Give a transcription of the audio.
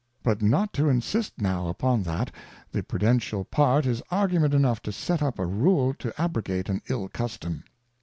But not to insist now upon that, the prudential part is Argument enough to set up a Rule to abrogate an ill Custom.